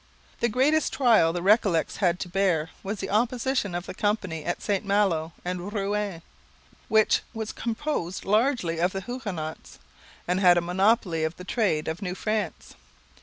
The greatest trial the Recollets had to bear was the opposition of the Company of St Malo and Rouen, which was composed largely of Huguenots, and had a monopoly of the trade of New France.